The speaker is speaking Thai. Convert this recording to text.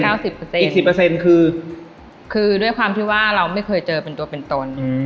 เก้าสิบเปอร์เซ็นต์อีกสิบเปอร์เซ็นต์คือคือด้วยความที่ว่าเราไม่เคยเจอเป็นตัวเป็นตนอืม